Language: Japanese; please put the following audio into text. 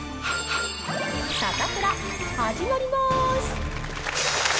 サタプラ、始まりまーす。